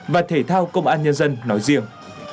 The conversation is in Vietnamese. và thể thao công an nhân dân nói riêng